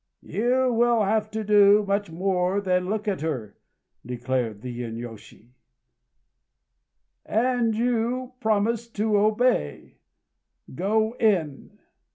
"You will have to do much more than look at her," declared the inyôshi; "and you promised to obey. Go in!"